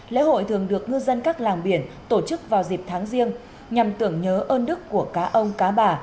lễ hội thường được ngư dân các làng biển tổ chức vào dịp tháng riêng nhằm tưởng nhớ ơn đức của cá ông cá bà